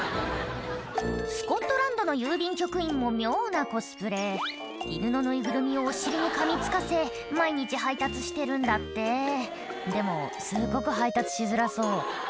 スコットランドの郵便局員も妙なコスプレ犬のぬいぐるみをお尻にかみつかせ毎日配達してるんだってでもすっごく配達しづらそう